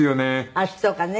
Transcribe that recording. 足とかね。